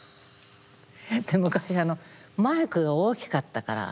で昔あのマイクが大きかったから。